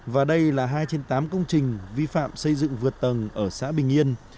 và đây là hai trên tám công trình vi phạm xây dựng vượt tầng ở xã bình yên